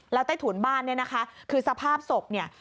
แล้วใต้ถุนบ้านเนี่ยนะคะคือสภาพศพเนี่ย